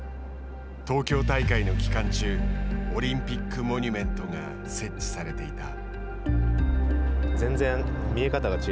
東京大会の期間中、オリンピックモニュメントが設置されていた。